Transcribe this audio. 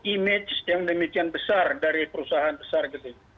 image yang demikian besar dari perusahaan besar gitu